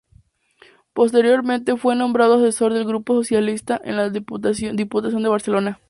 Posteriormente fue nombrado asesor del grupo socialista en la Diputación de Barcelona.